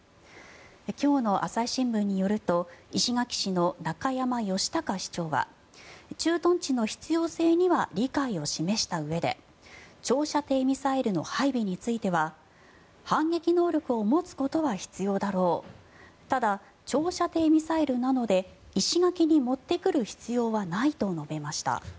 今日の朝日新聞によると石垣市の中山義隆市長は駐屯地の必要性には理解を示したうえで長射程ミサイルの配備については反撃能力を持つことは必要だろうただ、長射程ミサイルなので石垣に持ってくる必要はないと述べました。